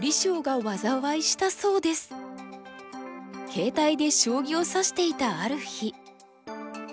携帯で将棋を指していたある日。